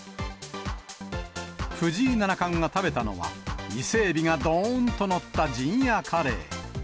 藤井七冠が食べたのは、伊勢エビがどーんと載った陣屋カレー。